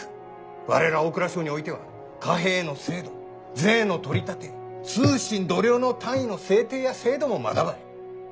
我ら大蔵省においては貨幣の制度税の取り立て通信度量の単位の制定や制度もまだばい。